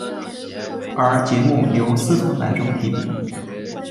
而节目由司徒乃钟题笔。